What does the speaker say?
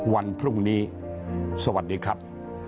วันพรุ่งนี้สวัสดีครับ